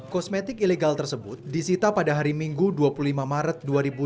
kosmetik ilegal tersebut disita pada hari minggu dua puluh lima maret dua ribu dua puluh